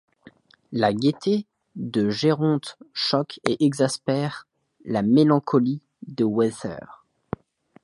La gaîté de Géronte choque et exaspère la mélancolie de Werther.